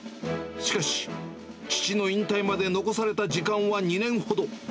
しかし、父の引退まで残された時間は２年ほど。